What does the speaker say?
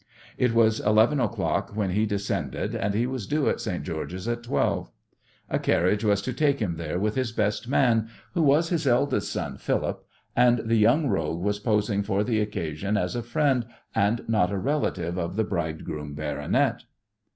It was eleven o'clock when he descended, and he was due at St. George's at twelve. A carriage was to take him there with his best man, who was his eldest son Philip, and the young rogue was posing for the occasion as a friend and not a relative of the bridegroom baronet.